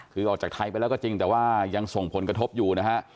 คือออกจากไทยไปแล้วก็จริงแต่ว่ายังส่งผลกระทบอยู่นะฮะ